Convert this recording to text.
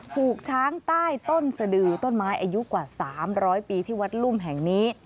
ถูกช้างใต้ต้นสดือต้นไม้อายุกว่า๓๐๐ปีที่วัดลุ่มแห่งนี้